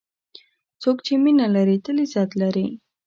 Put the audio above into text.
څوک چې مینه لري، تل عزت لري.